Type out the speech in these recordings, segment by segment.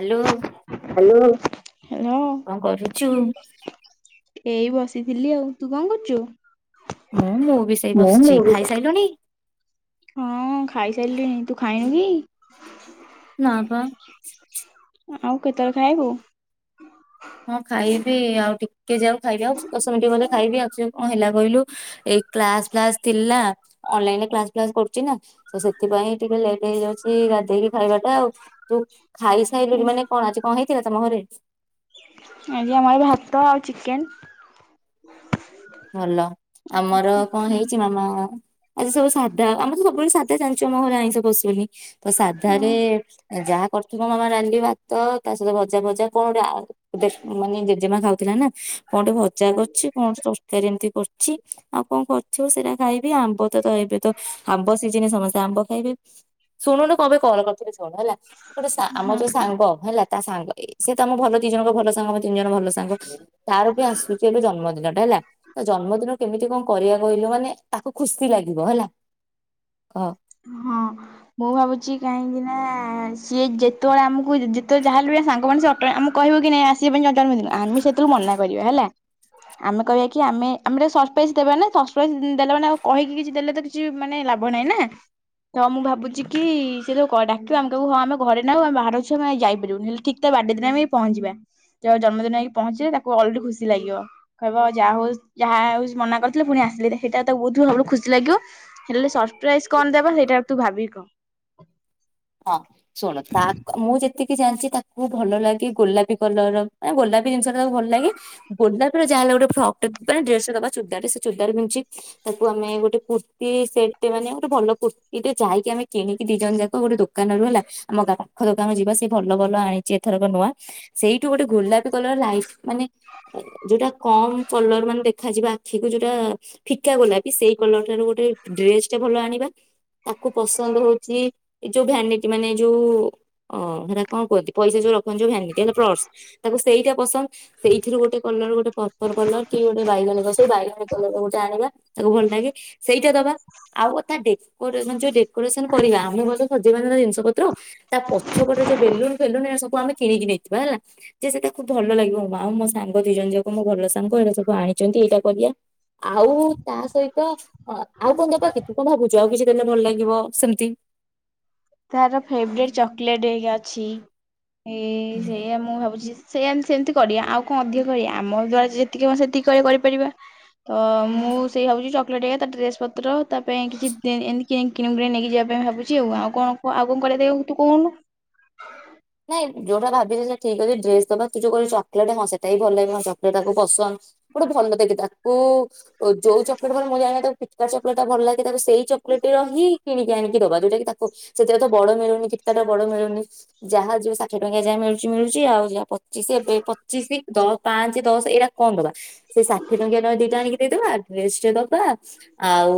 Hello. Hello. କରୁଛୁ? ଏଇ ବସିଥିଲି ଆଉ ତୁ କଣ କରୁଛୁ? ମୁଁ ମୁଁ ବି ସେଇ ମୁଁ ମୁଁ ବସିଛି। ବି ଖାଇସାଇଲୁଣି? ହଁ ଖାଇସାରିଲିଣି ତୁ ଖାଇନୁ କି? ନା ବା। ଆଉ କେତେବେଳେ ଖାଇବୁ? ହଁ ଖାଇବି ଆଉ ଟିକେ ଯାଉ ଖାଇବି ଆଉ ଦଶମ ଟିକ ଗଲେ ଖାଇବି ଆସ କଣ ହେଲା କହିଲୁ ଏଇ କ୍ଲାସ ଫ୍ଲାସ ଥିଲା ଅନଲାଇନରେ କ୍ଲାସ ଫ୍ଲାସ କରୁଛି ନା? ତ ସେଥିପାଇଁ ଟିକେ ଲେଟ୍ ହେଇଯାଉଛି ଗାଧେଇକି ଖାଇବାଟା ଆଉ ତୁ ଖାଇସାଇଲୁ ମାନେ କଣ ଆଛି କଣ ହେଇଥଥିବା ତମ ଘରେ? ଆଜ୍ଞା ଆମର ଭାତ ଆଉ ଚିକେନ୍ ଭଲ ଆମର କଣ ହେଇଛି ମାମା ଆଜି ସବୁ ସାଧା ଆମର ତ ସାଧା ଜାଣିଛ ଆମଘରେ ଆଇଁଷ ପସୁନି ତ ହଁ ସାଧାାରେ ଯାହା କରୁଥିବ ମୁଁ ଆମେ ରାଡଲିି ଭାତ ତା ସହିତ ଭଜା ଭଜା କଣ ଗୋଟେ ଆଉ ମାନେ ଜେଜେମା ଖାଉଥିଲା ନା କଣ ଟିକେ ଭଜା କରଛି କଣ ମତି କରୁଛି ଆଉ କଣ କରୁଥିବ ସେଇଟା ଖାଇବି ଆମ୍ବ ତ ତ ଏବେ ତ ଆମ୍ବ ସିିଜିନ ସମସ୍ତେ ଆମ୍ବ ଶୁଣୁନୁ କଣ ପାଇଁ କଲ କରିଥିଲି ଶୁଣେ ହେଲା ଗୋଟେ ଆମ ହଁ। ଯୋଉ ସାଙ୍ଗ ହେଲା ତା ସାଙ୍ଗ ଏ ସେ ତମ ଭଲ ଦି ଜଣଙ୍କ ଭଲ ସାଙ୍ଗ ଆମେ ତିନି ଜଣ ଭଲ ସାଙ୍ଗ ତାର ବି ଆସୁଛି ଏବେ ଜନ୍ମଦିନଟା ହେଲା ତା ଜନ୍ମଦିନ କେମିତି କଣ କରିବା କହିଲୁ ମାନେ ତାକୁ ଖୁସି ଲାଗିବ ହେଲା ହଁ। ହଁ। ମୁଁ ଭାବୁଛି କାହିଁକି ନା ସିଏ ଯେତେବେଳେ ଆମକୁ ଯେତେବେଳେ ଯାହା ହେଲେ ବି ସାଙ୍ଗମାନେ ସେ ଅଟ ଆମ କହିବ କି ନାଇଁ ଆସିବା ପାଇଁ ଜଟ ଦିନ ଆମେ ସେଥିରୁ ମନା କରିବା ହେଲା ଆମେ କହିବା କି ଆମେ ଆମେ ସରପ୍ରାଇଜ ଦେବା ନା ସରପ୍ରାଇଜ ଦେଲେ ମାନେ କହିକି କିଛି ଦେଲେ ତ କିଛି ମାନେ ଲାଭ ନାଇଁ ନା ତ ମୁଁ ଭାବୁଛି କି ସେ ଡାକିବ ଆମେ କହିବୁ ହଁ ଆମ ଘରେ ନାହୁ ଆମ ବାହାରାରୁ ଅଛୁ ଆମେ ଯାଇପାରିବୁନୁ ହେଲେ ଠିକ ତା ବାଡେଦିନ ଆମେ ପହଞ୍ଚିବା ଯ ଜନ୍ମଦିନ ହେଇକି ପହଞ୍ଚିଲେ ତାକୁ [inaudible] ଖୁସି ଲାଗିବ କହିବ ଯାହା ହଉ ଯାହା ହଉ ମନା କରିଥିଲେ ପୁଣି ଆସିଲେ ସେଇଟା ତ ବହୁତ ସବୁ ଖୁସି ଲାଗିବ ହେଲେ ସରପ୍ରାଇଜ୍ କଣ ଦବା ସେଇଟା ତୁ ଭାବିକ? ହଁ। ଶୁଣ ତା ମୁଁ ଯେତିକି ଜାଣିଛି ତାକୁ ଭଲ ଲାଗେ ଗୋଲାପୀ କଲର ମ ଗୋଲାପୀ ଜିନିଷ ତାକୁ ଭଲ ଲାଗେ ଗୋଲାପିର ଯାହ ହେଲା ଗୋଟେ ଫର୍କ ଟେ ଡ୍ରେସ ଟେ ଦବା ଚୁରଦାରେ ସେ ଚୁଦାରାର ପିନ୍ଧୁଛି ତାକୁ ଆମେ ଗୋଟେ କୁର୍ତ୍ତି ସେଟ ମାନେ ଗୋଟେ ଭଲ କୁର୍ତ୍ତି ଟେ ଯାଇକି ଆମେ କିଣିକି ଦି ଜଣ ଯାକ ଗୋଟେ ଦୋକ ଦୋକାନ ରୁ ହେଲା ଆମ [inaudible] ଦୋକାନରୁ ଯିବା ସେ ଭଲ ଭଲ ଆଣିଛି ଏଥରକ ନୂଆ ସେଇଠୁ ଗୋଟେ ଗୋଲାପୀ କଲର ଲାଇଟ ମାନେ ଯୋଉଟା କମ କଲର ମାନେ ଦେଖାଯିବ ଆଖିକୁ ଯୋଉଟା ଫିକା ଗୋଲାପୀ ସେଇ କଲରଟାର ଗୋଟେ ଡ୍ରେସ ଟା ଭଲ ଆଣିବା ତାକୁ ପସନ୍ଦ ହଉଛି ଯୋଉ ଭ୍ୟାନିଟ ମାନେ ଯୋଉ ଓହ ହେଟା କଣ କୁହନ୍ତି ପଇସା ଯୋଉ ରଖନ୍ତି ଭ୍ୟାନିଟ ପରଶ ତାକୁ ସେଇଟା ପସନ୍ଦ ସେଇଥିରୁ ଗୋଟେ କଲର ଗୋଟେ ପର୍ପଲ କଲର କି ଗୋଟେ ବାଇଗଣି ସେଇ ବାଇଗଣି କଲର ଗୋଟେ ଆଣିବା ତାକୁ ଭଲ ଲାଗେ ସେଇଟା ଦବା ଆଉ କଥା ଡେକୁରେସନ୍ ଯୋଉ କରିବା ଆମ ଘର [inaudible] ଜିନିଷ ପତ୍ର ତା ପଛପଟେ ଯୋଉ ବେଲୁନ ଫେଲୁନ ଏରା ସବୁ ଆମେ କିଣିକି ନେଇଥିବା ହେଲା ଯେ ସେଇଟା ଖୁବ ଭଲ ଲାଗିବ ମା ଆଉ ମୋ ସାଙ୍ଗ ଦି ଜଣ ଯାକ ମୋ ଭଲ ସାଙ୍ଗ ଏଇଟା ସବୁ ଆଣିଛନ୍ତି ଏଇଟା କରିଵା ଆଉ ତା ସହିତ ଆଉ କଣ ଦବା କି ତୁ କଣ ଭାବୁଛୁ ଆଉ କିଛି ଦେଲେ ଭଲ ଲାଗିବ ସେମତି? ତାର ଫେବରେଟେ ଚକୋଲେଟ୍ ହେରିକା ଅଛି ସେଇଆ ମୁଁ ଭାବୁଛି [unintelligible] ସେମତି କରିବା ଆଉ କଣ ଅଧିକ କରିବା ଆମ ଦ୍ଵାରା ଯେତିକି ହବ ସେତିକି କରିପାରିବା। ତ ମୁଁ ସେଇ ଭାବୁଛି ଚକଲେଟ୍ ତା ଡ୍ରେସ ପତ୍ର ତା ପାଇଁ କିଛି [unintelligible] ଭାବୁଛି ଆଉ କଣ ଆଉ କଣ ତୁ କହୁନୁ? ନାଇଁ ଯୋଉଟା ଭାବି ସେ ଠିକ୍ ଅଛି ଡ୍ରେସ୍ ଦବା ତୁ ଯୋଉ କହିଲୁ ଚକଲେଟେ ନୁହେଁ ସେ ସେହି ପଲ୍ଲବୀ ମୋ ସତ୍ୟ ତାକୁ ପସନ୍ଦ। ଗୋଟେ ଭଲ ଦେକିତା। ଓ। ଯଉ ଚପେଟା କର ମୁଁ ଜାଣିଥିବ ଠିକି ଚକଲେଟ ଭଲ ଲାଗେ ତାକୁ ସେଇ ଚକଲେଟର ହିଁ କିଣିକି ଆଣିକି ଦବା ଯଉଟାକି ତାକୁ। ସେଗୁଡାକ ବଡ ମିଳୁନି କିଟିକାଟ ର ବଡ ମିଳୁନି। ଯାହା ଯୋଉ ଷାଠିଏ ଟଙ୍କିଆ ଯାହା ମିଳୁଛି ମିଳୁଛି ଆଉ ଯାହା ପଚିଶି ଏବେ ପଚିଶି ଦ ପାଞ୍ଚେ ଦଶ ଏଇଡାକ କଣ ଦବା ସେ ଷାଠି ଟଙ୍କିଆ ନହେଲେ ଦିଟା ଆଣିକି ଦେଇଦବା ଡ୍ରେସ ଟେ ଦବା ଆଉ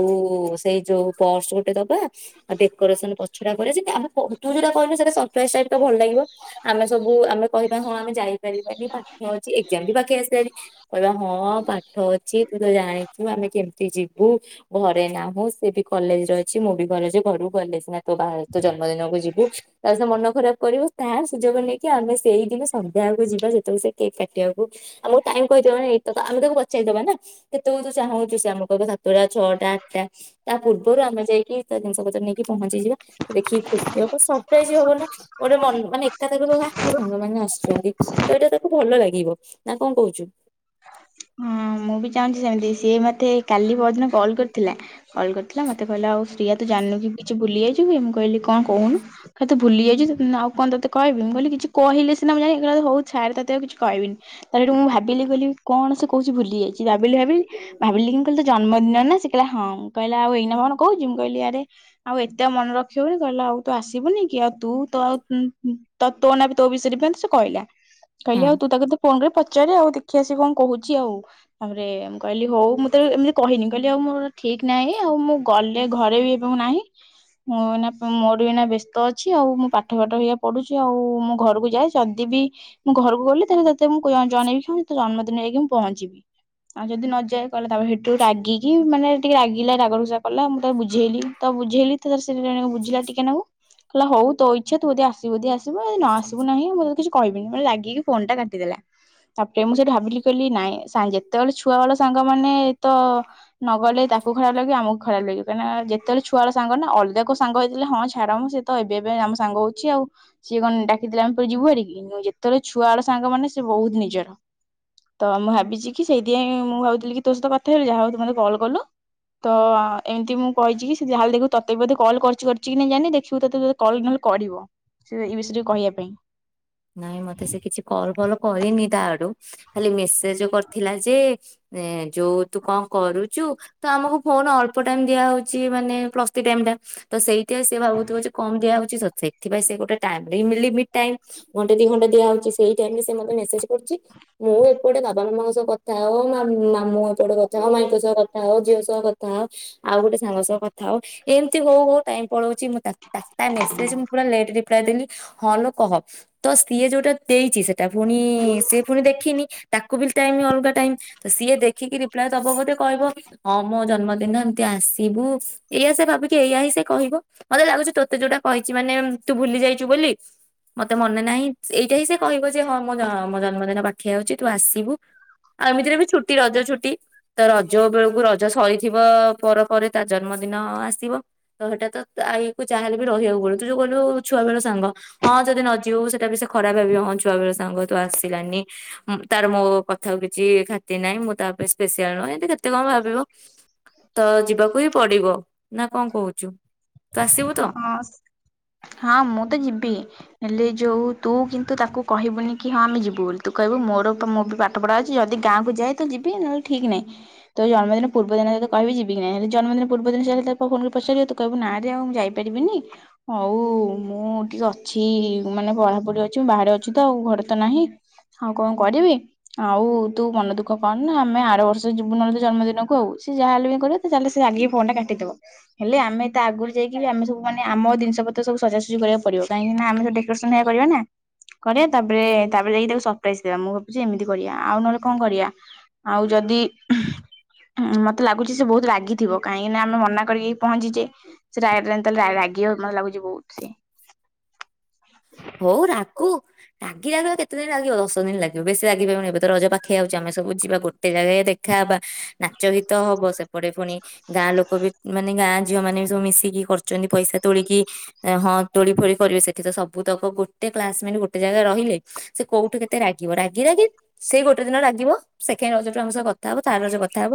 ସେଇ ଯୋଉ ପର୍ସ ଗୋଟେ ଦବା। ଡେକୋରେସନ ପଛଟା କରିବା ସେ ଯଉ ଆଗେ କହୁ ତୁ ଯଉଟା କହିଲୁ ସେଟା ସରପ୍ରାଇଜି ଷ୍ଟାଇଲି ଥିବ। ଆମେ ସବୁ ଆମେ କହିବା ହଁ ଆମେ ଯାଇପାରିବାନି ପାଠ ଅଛି ଏକ୍ଜାମ ବି ପାଖେଇ ଆସିଲାଣି। କହିବା ହଁ ପାଠ ଅଛି ତୁ ତ ଜାଣିଛୁ ଆମେ କେମିତି ଯିବୁ। ଘରେ ନାହୁଁ ସେ ବି କଲେଜେ ରେ ଅଛି ମୁଁ ବି ଘରେ ଅଛି। ଘରକୁ ଗଲେ ସିନା ତୋ ବାହା ଜନ୍ମଦିନକୁ ଯିବୁ ତାହାଲେ ତା ମନ ଖରାପ କରିବୁ ତା ସୁଯୋଗ ନେଇକି ଆମେ ସେଇଦିନ ସନ୍ଧ୍ୟାକୁ ଯିବା ଯେତେବେଳେ ସେ କେକ୍ କାଟିବାକୁ ଆମକୁ ଟାଇମି କହିଥିବ ଏଇତକ ଆମେ ତାକୁ ପଚାରିଦବା ନା କେତେ ତୁ ଚାହୁଁଛୁ ସେ ଆମ କୁ କହିଦବ ତାକୁ ପୁରା ଛଅଟା ଆଟା ତା ପୂର୍ବରୁ ଆମେ ଯାଇକି ତା ଜିନିଷ ପତ୍ର ନେଇକି ପହଞ୍ଚିଯିବା ଦେଖିକି ଖୁସି ହବ ସରପ୍ରାଇଜି ହବ ନା। ତ ଅନ ମାନେ ଏକା ତାକ ହେଁ ମୋ ସାଙ୍ଗ ମାନେ ଆସୁଛନ୍ତି। ତ ଏଇଟା ତାକୁ ଭଲ ଲାଗିବ ନା କ କହୁଛୁ। ହଁ ମୁଁ ବି ଚାହୁଁଛି ସେମିତି ସିଏ ମତେ କାଲି ପହଦିନ କଲ୍ କରିଥିଲା। କଲ୍ କରିଥିଲା ମତେ କହିଲା ଆଉ ଶ୍ରୀୟା ତ ଜାଣୁନୁ କି କିଛି ଭୁଲିଯାଇଚୁ କି କଣ କହୁନୁ। ତତେ ଭୁଲି ଯାଉଛି ଆ କଣ ତୋତେ କହିବି ମୁ ବୋଲି କିଛି କହିଲେ ସିନାଁ ମୁଁ ଜାଣିବି ହଉ ଛାଡେ ତତେ ଆଉ କିଛି କହିବିନି। ତାପରେ ମୁଁ ଭାବିଲି ବୋଲି କଣ ସେ କହୁଛି ଭୁଲି ଯାଇଛି ଭାବିଲି ଭାବିଲି ଭାବିଲି କି କହିଲି ତ ଜନ୍ମଦିନ ନା। ସେ କହିଲା ହଁ କହିଲା ଆଉ ଏଇନା କଣ କହୁଛୁ ମୁଁ କହିଲି ଆରେ ଆଉ ଏତେ ମନେ ରଖିହଉନି। କହିଲା ଆଉ ତୁ ଆସିବୁନି କି ଆଉ ତୁ ତ ଆଉ ତ ତୋ ନା ବି ତୋ ବିଷୟରେ ପାଇଁ ସେ କହିଲା। କହିଲେ ହୁଁ ଆଉ ତୁ ତାକୁ ଫୋନ କରି ପଚାରେ ଆଉ ଦେଖିବା ସେ କଣ କହୁଛି ଆଉ ତାପରେ ମୁ କହିଲି ହଉ ମୁଁ ତ ଏମିତି କହିନି କହିଲି ଆଉ ମୋର ଠିକ୍ ନାହିଁ ଆଉ ମୁଁ। ଗଲେ ଘରେ ବି ଏବେ ମୁଁ ନାହିଁ। ମୁଁ ଏଇନା ମୋର ବି ଏଇନା ବ୍ୟସ୍ତ ଅଛି ଆଉ ମୁଁ ପାଠ ପାଠ ପଢୁଛି ଆଉ ମୁଁ ଘରକୁ ଯାଏ। ଯଦି ବିି ମୁଁ ଘରକୁ ଗଲି ତାହେଲେତେ ମୁଁ ଜଣେଇବି କି ଜନ୍ମଦିନ ହେଇକି ମୁଁ ପହଞ୍ଚିବି। ଆଉ ଯଦି ନ ଯାଏ କହିଲି ତା ସେଠୁ ରାଗିକି ମାନେ ଟିକେ ରାଗିଲା ରାଗ ରୁଷା କଲା ମୁଁ ତାକୁ ବୁଝେଇଲି। ତ ବୁଝେଇଲି ତ ସେଦିଜଣ ବୁଝିଲା ଟିକେ ନାକୁ। କହିଲା ହଉ ତୋ ଇଛା ତୁ ଯଦି ଆସିବୁ ଯଦି ଆସିବୁ ଯଦି ନ ଆସିବୁ ନାହିଁ। ମୁଁ ତତେ କହିବିନି ରାଗିକି ଫୋନ୍ ଟା କାଟିଦେଲା। ତାପରେ ମୁଁ ସେଠି ଭାବିଲି କହିଲି ନାଇଁ ଯେତେବେଳେ ଛୁଆ ବେଳ ସାଙ୍ଗମାନେ ତ। ନଗଲେ ତାକୁ ଖରାପ ଲାଗିବ ଆମକୁ ଖରାପ ଲାଗିବ କାହିକିନା ଯେତେବେଳେ ଛୁଆ ସାଙ୍ଗ ନା ଅଲଗା ସାଙ୍ଗହୋଇଥିଲେ ହଁ ଛାଡ ମୁଁ ସେ ତ ଏବେ ଏବେ ଆମ ସାଙ୍ଗ ହଉଛି ଆଉ। ସିଏ କଣ ଡାକିଥିଲେ ଆମ ଯିବୁ ହାରି ମୁଁ ଯେତେବେଳେ ଛୁଆ ବେଳ ସାଙ୍ଗ ମାନେ ସେ ବହୁତୁ ନିଜର। ତ ମୁଁ ଭାବିଛି କି ସେଇଥିପାଇଁ ମୁଁ ଭାବୁଥିଲି କି ତୋ ସହିତ କଥା ହେବି ଯାହା ହଉ ତୁ ମତେ କଲ କଲୁ। ତ ଏମିତି ମୁଁ କହିଚିକି ସେ ଯାହା ବି ହେଲେ ତତେ ବୋଧେ କଲ କରିଚି କି ନାହିଁ ଜାନିନି ଦେଖିବୁ ତତେ ଯଦି କଲ ନ ହେଲେ କରିବ। ସେ ଏ ବିଷୟରେ କହିବା ପାଇଁ। ନାଇଁ ମତେ ସେ କିଛି କଲ୍ ଫଲ୍ କରିନି ତା ଆଡୁ। ଖାଲି ମେସେଜେ କରିଥିଲା ଯେ ଏ ଯୋଉ ତୁ କଣ କରୁଚୁ? ତ ଆମକୁ ଫୋନ ଅଳ୍ପ ଟାଇମ୍ ଦିଆ ହଉଛି ମାନେ ପ୍ଲସ ଥ୍ରୀ ଟାଇମ୍ ଟା। ତ ସେଇ ତେ ସେ ଭାବୁଥିବ ଯେ କମ୍ ଦିଆ ହଉଛି ସ ସେଥିପାଇଁ ସେ ଗୋଟେ ଟାଇମି ମିଲି ମି ଟାଇମି ଘଣ୍ଟେ ଦି ଘଣ୍ଟା ଦିଆ ହଉଛି ସେଇ ଟାଇମି ରେ ସେମତେ ମେସେଜେ କରୁଛି। ମୁଁ ଏପଟେ ବାବା ମାମାଙ୍କ ସହ କଥା ହଁ, ମାମୁଁ ଏପଟେ କଥା ହଁ, ମାଇଙ୍କ ସହ କଥା ହଁ, ଝିଅ ସହ କଥା ହଁ, ଆଉ ଗୋଟେ ସାଙ୍ଗ ସହ କଥା ହଉଥିଲି, ଏମିତି ହଉ ହଉ ଟାଇମ୍ ପଳଉଚି ମୁଁ ତା। ତା ମେସେଜ୍ ମୁଁ ପୁରା ଲେଟ୍ ରିପ୍ଲାଏ ଦେଲି ହଁ ଲୋ କହ। ତ ସିଏ ଯୋଉଟା ଦେଇଚି ସେଟା ପୁଣି ସିଏ ପୁଣି ଦେଖିନି। ତାକୁ ବି ଟାଇମ୍ ଅଲଗା ଟାଇମ୍ ତ ସିଏ ଦେଖିକି ରିପ୍ଲାଏ ଦବ ବୋଧେ କହିବ। ହଁ ମୋ ଜନ୍ମଦିନ ଏମତି ଆସିବୁ ଏଇଆ ସେ ଭାବିକି ଏଇଆ ହିଁ ସେ କହିବ। ମତେ ଲାଗୁଚି ତୋତେ ଯୋଉଟା କହିଚି ମାନେ ତୁ ଭୁଲି ଯାଇଚୁ ବୋଲି। ମତେ ମନେ ନାହିଁ ଏଇଟା ହିଁ ସେ କହିବ ଯେ ହଁ ମୋ ଜନ୍ମଦିନ ପାଖେଇ ଆଉଚି ତୁ ଆସିବୁ। ଆଉ ଏମିତିରେ ବି ଛୁଟି ରଜ ଛୁଟି ତ ରଜ ବେଳକୁ ରଜ ସରିଥିବ ପରେ ପରେ ତା ଜନ୍ମଦିନ ଆସିବ। ତ ସେଟା ତା ଆଈ କୁ ଯାହାହେଲେ ବି ରହିଆକୁ ପଡିବ। ତୁ ଯୋଉ କହିଲୁ ଛୁଆ ବେଳ ସାଙ୍ଗ। ହଁ ଯଦି ନ ଯିବୁ ବି ସେଟା ବି ସେ ଖରାପ ଭାବିବ। ହଁ ଛୁଆ ବେଳ ସାଙ୍ଗ ତୁ ଆସିଲାନି। ତାର ମୋ କଥାକୁ କିଛି ଖାତିରି ନାହିଁ, ମୁଁ ତା ପାଇଁ ସ୍ପେସିଆଲ ନୁହଁ, ଏ କେତେ କଣ ଭାବିବ। ତ ଯିବାକୁ ହିଁ ପଡିବ ନା କଣ କହୁଚୁ? ହଁ, ହଁ ମୁଁ ତ ଯିବି। ହେଲେ ଯୋଉ ତୁ କିନ୍ତୁ ତାକୁ କହିବୁନି କି ହଁ ଆମେ ଯିବୁ ବୋଲି। ତୁ କହିବୁ ମୋର ମୋ ବି ପାଠ ପଢ଼ା ଅଛି ଯଦି ଗାଁକୁ ଯାଏ। ତ ଯିବି ନହେଲେ ଠିକ୍ ନାହିଁ। ତ ଜନ୍ମଦିନ ପୂର୍ବ ଦିନ ତତେ କହିବି ଯିବି କି ନାହିଁ। ଯେତବଳେ ଜନ୍ମଦିନ ପୂର୍ବ ଦିନ ଯିବା କଥା ଫୋ କରି ପଚାରିବ ତୁ କିହିବୁ ନାଁ। ମୁଁ ଯାଇପାରିବିନି ହଉ ମୁଁ ଟିକେ ଅଛି ମାନେ ପଢାପଢି ଅଛି ବାହାରେ ଅଛି ତ ଆଉ ଘରେ ତ ନାହିଁ। ଆଉ କଣ କରିବି। ଆଉ ତୁ ମନ ଦୁଃଖ କରନା। ଆମେ ଆର ବର୍ଷ ଯିବୁ ନହଲେ ତୋ ଜନ୍ମଦିନକୁ। ଆଉ ସି ଯାହା ହେଲେ ବି କରେ ତାହେଲେ ସେ ଆଗିକି ଫୋନ୍ ଟା କାଟିଦବ। ହେଲେ ଆମେ ତା ଆଗୁରୁ। ଯାଇକି ବି ଆମେ ସବୁ ମାନେ ଆମ ଜିନିଷ ପତ୍ର ସବୁ ସଜାସଜି କରିବାକୁ ପଡିବ। କାଇଙ୍କିନା ଆମେ ତ ଡକୋରେସନ ହେରିକା କରିବା ନା। କରିଆ ତାପରେ ତାପରେ ଯଇକି ତାକୁ ସରପ୍ରାଇଜ ଦେବା। ମୁଁ ଭାବୁଚି ଏମିତି କରିଆ ଆଉ ନହେଲେ କଣ କରିଆ। ଆଉ ଯଦି। ମତେ ଲାଗୁଚି ସେ ବହୁତୁ ରାଗିଥିବ। କାହିଁକିନା ଆମେ ମନାକରିକି ପହଞ୍ଚିଚେ। ସେ ରାୟ ରାୟ ତାହେଲେ ରାଗିବ ମତେ ଲାଗୁଚି ବହୁତ୍ ସେ। ହଉ ରାଗୁ। ରାଗି ରାଗି କେତେ ଦିନି ରାଗିବ? ଦଶ ଦିନି ଲାଗିବ ବେଶି ରାଗିପାରିବନି। ଏବେ ତ ରଜ ପାଖେଇ ଆଉଚି ଆମେ ସବୁ ଯିବା ଗୋଟେ। ଗୋଟେ ଜାଗା ଦେଖାହବା, ନାଚ ଗୀତ ହବ, ସେପଟେ ପୁଣି ଗାଁ ଲୋକ ବି ମାନେ ଗାଁ। ଝିଅ ମାନେ ବି ସବୁ ମିଶିକି କରୁଚନ୍ତି ପଇସା ତୋଳିକି ହଁ ଦୋଳି ଫୋଳି କରିବେ ସେଠି ତ ସବ। ସବୁତକ ଗୋଟେ କ୍ଲାସମେଟ୍ ଗୋଟେ ଜାଗାରେ ରହିଲେ। ସେ କୋଉଠୁ କେତେ ରାଗିବ, ରାଗି ରାଗି ସେଇ ଗୋଟେ ଦିନ ରାଗିବ ସେକେଣ୍ଡ ରଜର ଟୁ ଆମ ସହ କଥା। କଥା ହବ ତାର ର ସେ କଥା ହବ।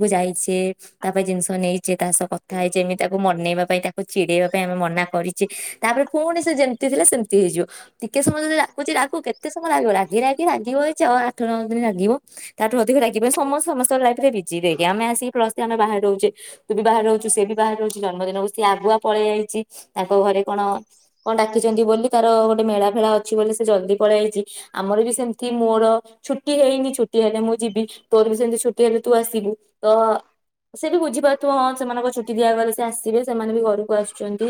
[unintelligible] ମୁଁ ଯାଇଚେ, ତା ପାଇଁ ଜିନିଷ ନେଇଚେ, ତା ସହ କଥା ହେଇଚେ, ଏମିତି ତାକୁ ମନେଇବା ପାଇଁ କା। ଚିଡେଇବା ପାଇଁ ଆମେ ମନା କରିଚେ, ତାପରେ ପୁଣି ସେ ଯେମିତି ଥିଲା ସେମିତି ହେଇଯିବ। ଟିକେ ସମୟ ଯଦି ରାଗୁଚି ରାଗୁ। କେତେ ସମୟ ରାଗିବ ରାଗି ରାଗି ରାଗିବ ଏ ଛଅ, ଆଠ, ନଅ ଦିନି ରାଗିବ। ତାଠୁ ଅଧିକ ରାଗିବେ ସମସ୍ତେ ସମସ୍ତଙ୍କ ଲାଇଫରେ ବିଜି। ଦେଖେ ଆମେ ଆସିକି ପ୍ଲସ୍ ଥ୍ରୀ ଆମେ ବାହାରେ ରହୁଚେ, ତୁ ବି ବାହାରେ ରହୁ। ସେ ବି ବାହାରେ ରହୁଚି। ଜନ୍ମଦିନକୁ ସିଏ ଆଗୁଆ ପଳେଇ ଆଇଚି ତାଙ୍କ ଘରେ କଣ। କଣ ଡାକିଚନ୍ତି ବୋଲି ତାର ଗୋଟେ ମେଳା ଫେଳା ଅ। ଅଛି ବୋଲି ସେ ଜଲଦି ପଲେଇଆଇଚି। ଆମର ବି ସେମତି ମୋର। ଛୁଟି ହେଇନି ଛୁଟି ହେଲେ ମୁଁ ଯିବି। ତୋର ବି ସେମିତି ଛୁଟି ହେଲେ ତୁ ଆସିବୁ। ତ ସେ ବି ବୁଝିପାରୁଥିବ ହଁ ସେମାନଙ୍କ ଛୁଟି ଦିଆଗଲେ ସେ ଆସିବେ। ସେମାନେ ବି ଘରୁକୁ ଆସ୍। ସେମିତି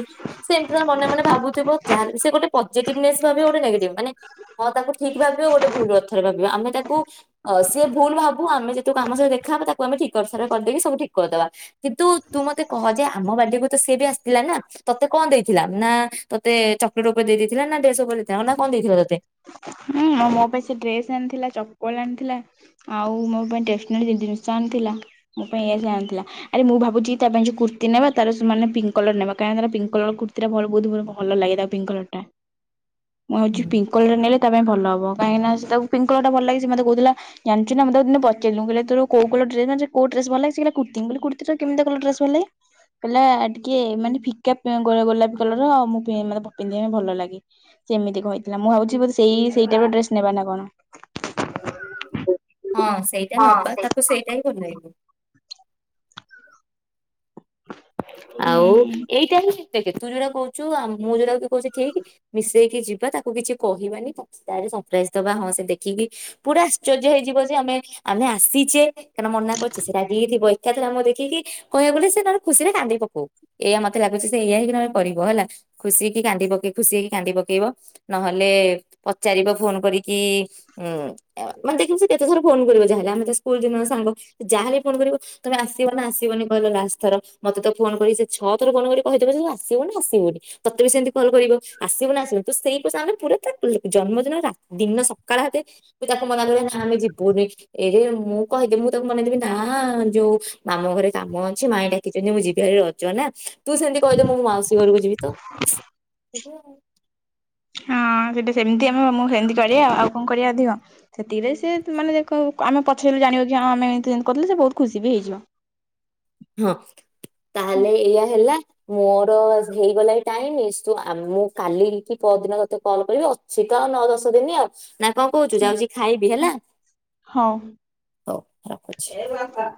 ତାଙ୍କ ମନେ ମନେ ଭାବୁଥିବ ଯାହାବି ସେ ଗୋଟେ ପଜେଟିଭନେସ୍ ଭାବିବ ଗୋଟେ ନେଗେଟିଭ ମାନେ। ହଁ ତାକୁ ଠିକ ଭାବିବ ଗୋଟେ ଭୁଲ ଅର୍ଥରେ ଭାବିବା ଆମେ ତାକୁ ଅ ସିଏ ଭୁଲ ଭାବୁ ଆମେ ଯେତୁ ଆମ ସହିତ ଦେଖାହବ ତାକୁ ଆମେ ଠିକସାରେ କରିଦେଇକି ସବୁ ଠିକ କରିଦବା କିନ୍ତୁ ତୁ ମତେ କହ ଯେ ଆମ ବାଡେକୁ ତ ସେ ବି ଆସିଥିଲା ନା? ତତେ କଣ ଦେଇଥିଲା ନା ତୋତେ ଚକୋଲେଟ ଉପରେ ଦେଇଥିଲା ନା ଡେସ ଉପରେ ଦେଇଥିଲା ନା କଣ ଦେଇଥିଲା ତୋତେ? ହୁଁ ମୋ ପାଇଁ ସେ ଡ୍ରେସ ଆଣିଥିଲା ଚପଲ ଆଣିଥିଲା। ଆଉ ମୋ ପାଇଁଟେସନାରୀ ଜିନିଷ ଆଣିଥିଲା ମୋ ପାଇଁ ଏଇଆ ସେ ଆଣିଥିଲା। ଆରେ ମୁଁ ଭାବୁଛି ତା ପାଇଁ ଯଉ କୁର୍ତ୍ତି ନେବା ତାର ମାନେ ପିଙ୍କ କଲର ନେବା କାଁହି ତାର ପିଙ୍କ୍ କଲର କୁର୍ତ୍ତିଟା ବହୁତ ଭଲ ଲାଗେ ତାକୁ। ପିଙ୍କକଲରଟା ମୁଁ ହଉଛି ପିଙ୍କ କଲର ନେଲେ ତା ପାଇଁ ଭଲ ହବ କାହିଁକିନା ସେ ତାକୁ ପିଙ୍କ କଲର ଭଲ ଲାଗେ ସେ ମତେ କହୁଥିଲା। ଜାଣିଚୁ ନା ମୁଁ ତାକୁ ଦିନେ ପଚାରିଲି ମୁଁ କହିଲି ଆ ତୋର କୋଉ କଲର୍ ଡ୍ରେସ ଆଣିଚୁ। କୋଉଡ୍ରେସ ଭଲଲାଗେ, ସେ କହିଲା କୁର୍ତ୍ତୀ ମୁଁ କହିଲି କୁର୍ତ୍ତୀଟା କେମିତିଆ କଲର ଭଲଲାଗେ। କହିଲା ଟିକେ ମାନେ ଫିକା ଗୋଲାପୀ କଲର ମୁଁ ମତେ ପିନ୍ଧିବା ପାଇଁ ଭଲ ଲାଗେ। ସେମିତି କହିଥିଲା ମୁଁ ଭାବୁଛି ବୋଧେ ସେଇ ସେଇଟାଇପର ଡ୍ରେସ ନେବା ନା କଣ। ହଁ ସେଇଟା ହୁଁ ନବା ତାକୁ ସେଇଟା ହିଁ ଭଲ ଲାଗିବ। ଆଉ ଏଇଟା ହିଁ ଦେଖେ ତୁ ଯୋଉଟା କହୁଛୁ ଆଉ ମୁଁ ଯୋଉଟା କି କହୁଛି ଠିକ। ମିଶେଇକି ଯିବା ତାକୁ କିଛି କହିବାନି ତାରେ ସରପ୍ରାଇଜ ଦବା ହଁ ସେ ଦେଖିକି ପୁରା ଆଶ୍ଚର୍ଯ୍ୟ ହେଇଯିବ ଯେ ଆମେ ଆମେ ଆସିଛେ କାରଣ ମନା କରିଛି ସେ ରାଗିକିଥିବ ଏକାଥରେ ଆମକୁ ଦେଖିକି କହିବାକୁଲେ ସେ ତାର ଖୁସିରେ କାନ୍ଦି ଏଇଆ ମତେ ଲାଗୁଛି ସେ ଏଇଆ ହେଇକି ନହେଲେ କରିବି ହେଲା ଖୁସି କି କାନ୍ଦି ପକେଇ ଖୁସି ହେଇକି କାନ୍ଦି ପକେଇବ। ନହେଲେ ପଚାରିବ ଫୋନ କରିକି। ହୁଁ ମାନେ ଦେଖିବୁ ସେ କେତେଥର ଫୋନ କରିବ ଯାହାେଲେ ଆମେ ତା ସ୍କୁଲ ଦିନର ସାଙ୍ଗ ଯାହାହେଲେ ଫୋନ କରିବ। ତମେ ଆସିବ ନା ଆସିବନି କହିଲ ଲାଷ୍ଟ ଥର ମତେ ତ ଫୋନ କରି କି ସେ ଛଅ ଥର ଫୋନ କରି କହିଦବଜେ ଜେ ସେ ଆସିବୁନା ଆସିବୁନି। ତତେ ବି ସେମିତି କଲ କରିବ ଆସିବୁ ନା ଆସିବୁ ନି ସେଇ ପୁ ସାଙ୍ଗରେ ପୁରା ତା ଜନ୍ମଦିନ ଦିନ ସକାଳା ଆତେ ସେ ତାକୁ ମନା କରିବା ନାଇଁ ଆମେ ଯିବୁନି। ଏଇରେ ମୁଁ କହିଦେବି ମୁଁ ତାକୁ ମନେଇଦେବି ନା ଯୋଉ ମାମୁଁ ଘରେ କାମ ଅଛି ମାଇଁ ଡାକିଛନ୍ତି ମୁଁ ଯିବି। ରଜ ନା ତୁ ସେମତି କହିଦେ ମୁଁ ମାଉସୀ ଘରକୁ ଯିବି ତ। ହଁ ସେଟା ସେମିତି ଆମେଁ ମୁଁ ସେମିତି କରିବା ଆଉ କଣ କରିବା ଅଧିକ। ଏତିକରେ ସେ ମାନେ ଦେଖ ଆମେ ପଛରେ ଜାଣିବା କି ଆମେ ଏମତି ଏନ୍ତି କରିଥିଲେ ସେ ବହୁତ ଖୁସି ବି ହେଇଯିବ। ହଁ ତାହେଲେ ଏଇଆ ହେଲା। ମୋର ଆଜି ହେଇଗଲା ଏଇ ଟାଇମ ତୁ ମୁଁ କାଲି କି ପଅରଦିନ ତତେ କଲ୍ କରିବି ଅଛିତ ନଅ ଦଶ ଦିନ ଆଉ ନା କଣ କହୁଛୁ ଯାଉଛି ଖାଇବି ହେଲା। ହଉ। ହଉ ରଖୁଛି।